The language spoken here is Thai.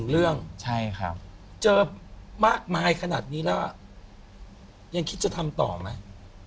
๑เรื่องเจอมากมายขนาดนี้ละยังคิดจะทำต่อไหม